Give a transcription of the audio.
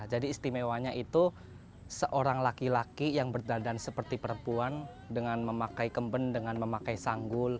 jadi istimewanya itu seorang laki laki yang berdandan seperti perempuan dengan memakai kemben dengan memakai sanggul